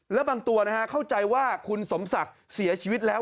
แล้วบางตัวเข้าใจว่าคุณสมศักดิ์เสียชีวิตแล้ว